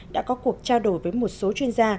đã có cuộc trao đổi với một số chuyên gia